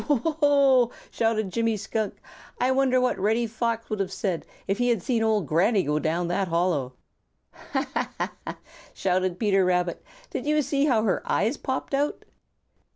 "Ho, ho, ho!" shouted Jimmy Skunk. "I wonder what Reddy Fox would have said if he could have seen old Granny go down that hollow!" "Ha, ha, ha!" shouted Peter Rabbit. "Did you see how her eyes popped out?"